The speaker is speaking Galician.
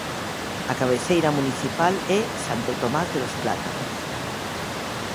A cabeceira municipal é Santo Tomás de los Plátanos.